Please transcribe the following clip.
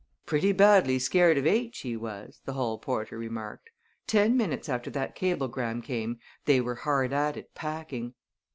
"Pretty badly scared of H he was!" the hall porter remarked. "Ten minutes after that cablegram came they were hard at it, packing."